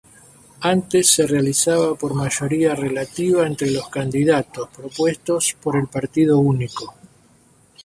Antes se realizaba por mayoría relativa entre los candidatos propuestos por el partido único.